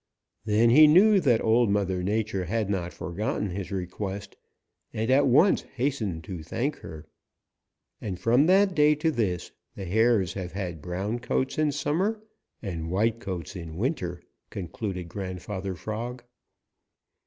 Then he knew that Old Mother Nature had not forgotten his request and at once hastened to thank her. And from that day to this, the Hares have had brown coats in summer and white coats in winter," concluded Grandfather Frog.